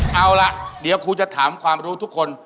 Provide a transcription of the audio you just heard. เอาล่ะเดี๋ยวครูจะถามความรู้ทุกคน